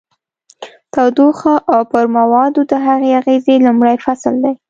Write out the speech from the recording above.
تودوخه او پر موادو د هغې اغیزې لومړی فصل دی.